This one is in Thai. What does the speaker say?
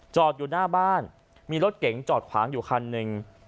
อยู่หน้าบ้านมีรถเก๋งจอดขวางอยู่คันหนึ่ง